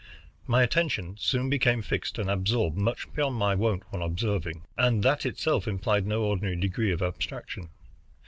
My attention soon became fixed and absorbed much beyond my wont, when observing, and that itself implied no ordinary degree of abstraction.